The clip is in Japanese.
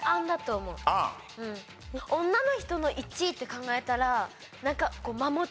女の人の１位って考えたら。